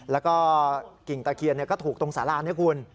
แล้วก็กิ่งตะเคียนก็ถูกตรงสารานี้คุณ